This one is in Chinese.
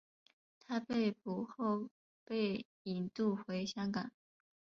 他被捕后被引渡回香港。